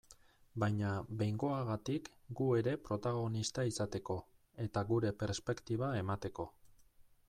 Baina behingoagatik gu ere protagonista izateko, eta gure perspektiba emateko.